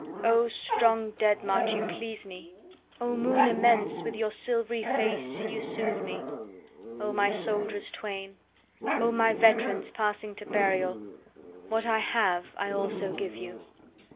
8O strong dead march, you please me!O moon immense, with your silvery face you soothe me!O my soldiers twain! O my veterans, passing to burial! What I have I also give you.